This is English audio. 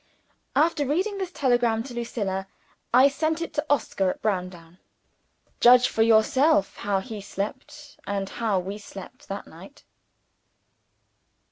After reading this telegram to Lucilla, I sent it to Oscar at Browndown. Judge for yourself how he slept, and how we slept, that night!